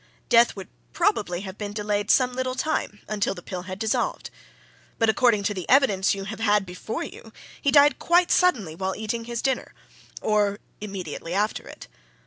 Death would probably have been delayed some little time until the pill had dissolved. But, according to the evidence you have had before you, he died quite suddenly while eating his dinner or immediately after it.